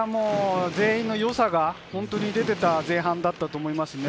全員の良さが本当に出ていた前半だったと思いますね。